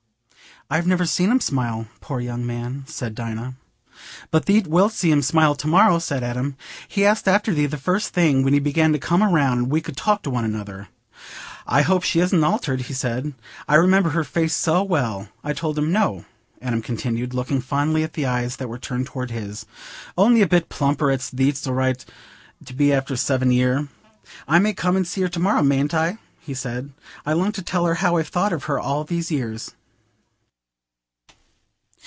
"I've never seen him smile, poor young man," said Dinah. "But thee wilt see him smile, to morrow," said Adam. "He asked after thee the first thing when he began to come round, and we could talk to one another. 'I hope she isn't altered,' he said, 'I remember her face so well.' I told him 'no,'" Adam continued, looking fondly at the eyes that were turned towards his, "only a bit plumper, as thee'dst a right to be after seven year. 'I may come and see her to morrow, mayn't I?' he said; 'I long to tell her how I've thought of her all these years.